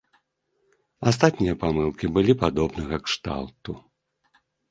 Астатнія памылкі былі падобнага кшталту.